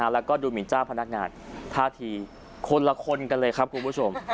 แล้วก็ดูหมินเจ้าพนักงานท่าทีคนละคนกันเลยครับคุณผู้ชม